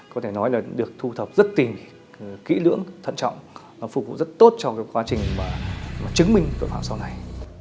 có thể nói là được thu thập rất tỉnh kỹ lưỡng thận trọng phục vụ rất tốt trong quá trình chứng minh cơ pháp sau này